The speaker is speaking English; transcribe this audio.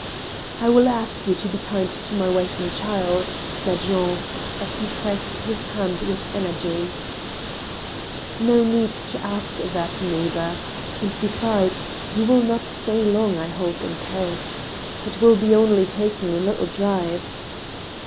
" I will ask you to be kind to my wife and child," said Jean, as he pressed his hand with energy. " No need to ask that, neighbor. And, besides, you will not stay long, I hope, in Paris. It will be only taking a little drive."